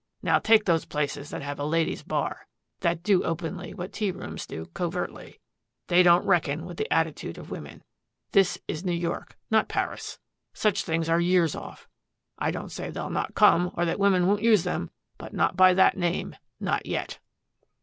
Now, take those places that have a ladies' bar that do openly what tea rooms do covertly. They don't reckon with the attitude of women. This is New York not Paris. Such things are years off. I don't say they'll not come or that women won't use them but not by that name not yet."